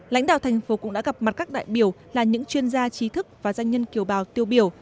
lãnh đạo thành phố cũng đã gặp mặt các đại biểu là những chuyên gia trí thức và doanh nhân kiểu bào tiêu biểu